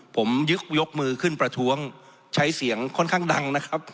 ผมยึกยกมือขึ้นประท้วงใช้เสียงค่อนข้างดังนะครับ